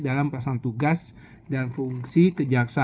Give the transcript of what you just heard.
dalam perasaan tugas dan fungsi kejaksaan